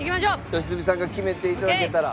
良純さんが決めて頂けたら。